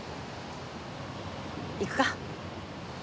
「行くか！」